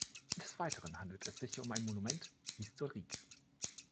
Des Weiteren handelt es sich um ein Monument historique.